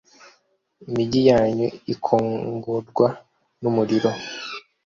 imigi yanyu ikongorwa n’umuriro;